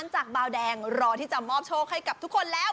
โอ้โหยกมากจริงนะคะฝารอบยังยกมากสูงมาก